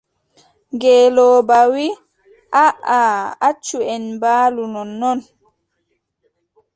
Ngeelooba wii: aaʼa accu en mbaalu nonnon.